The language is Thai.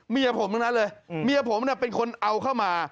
เมียผมทั้งนั้นเลยเมียผมเป็นคนเอาเข้ามา